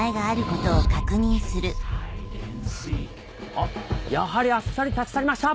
あっやはりあっさり立ち去りました！